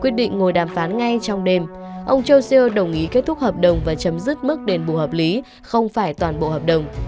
châu siêu đồng ý kết thúc hợp đồng và chấm dứt mức đền bù hợp lý không phải toàn bộ hợp đồng